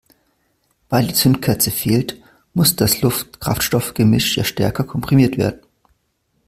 Weil die Zündkerze fehlt, muss das Luft-Kraftstoff-Gemisch ja stärker komprimiert werden.